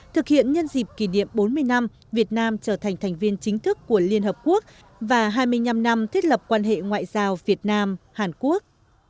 thực hiện nhân dịp kỷ niệm bốn mươi năm việt nam trở thành thành viên chính thức của liên hợp quốc và hai mươi năm năm thiết lập quan hệ ngoại giao việt nam hàn quốc